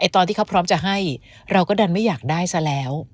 ตอนที่เขาพร้อมจะให้เราก็ดันไม่อยากได้ซะแล้ว